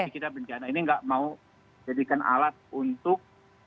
jadi kita bencana ini enggak mau jadikan alat untuk